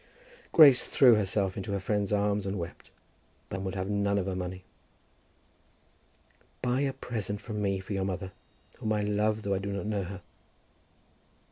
Grace threw herself into her friend's arms and wept, but would have none of her money. "Buy a present from me for your mother, whom I love though I do not know her."